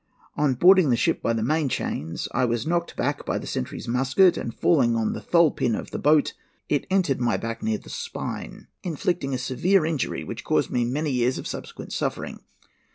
"On boarding the ship by the main chains, I was knocked back by the sentry's musket, and falling on the tholl pin of the boat, it entered my back near the spine, inflicting a severe injury, which caused me many years of subsequent suffering.